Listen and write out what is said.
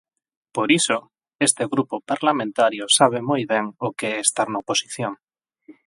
Por iso, este grupo parlamentario sabe moi ben o que é estar na oposición.